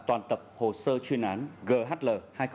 toàn tập hồ sơ chuyên án ghl hai nghìn một mươi tám